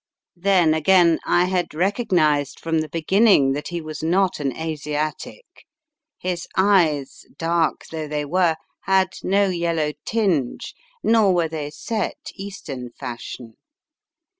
Then, again, I had recognized from An Unexpected Contretemps 283 the beginning that he was not an Asiatic; his eyes, dark though they were, had no yellow tinge, nor were they set Eastern fashion.